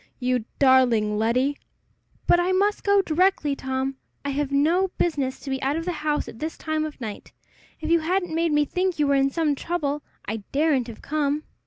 You darling Letty!" "But I must go directly, Tom. I have no business to be out of the house at this time of the night. If you hadn't made me think you were in some trouble, I daredn't have come."